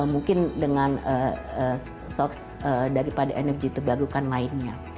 mungkin dengan source daripada energi terbarukan lainnya